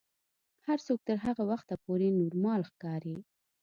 هر څوک تر هغه وخته پورې نورمال ښکاري.